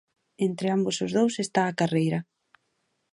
Entre ambos os dous está a carreira.